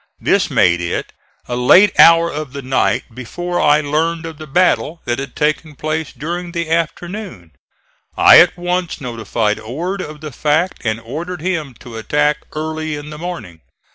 This made it a late hour of the night before I learned of the battle that had taken place during the afternoon. I at once notified Ord of the fact and ordered him to attack early in the morning.